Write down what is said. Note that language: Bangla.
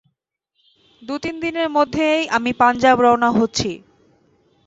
দু-তিন দিনের মধ্যেই আমি পাঞ্জাব রওনা হচ্ছি।